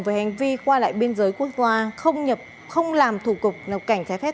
về hành vi qua lại biên giới quốc gia không làm thủ tục nhập cảnh trái phép